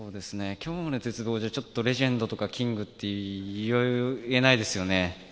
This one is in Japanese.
今日の鉄棒じゃ、ちょっとレジェンドとかキングとかは言えないですよね。